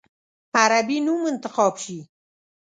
عربي نوم انتخاب شي.